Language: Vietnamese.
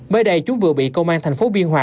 mới đây chúng vừa bị công an thành phố biên hòa